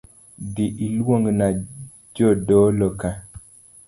Dhii ilungna jodolo ka